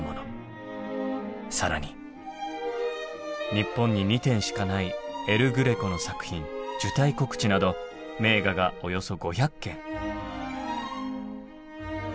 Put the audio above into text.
更に日本に２点しかないエル・グレコの作品「受胎告知」など名画がおよそ５００件。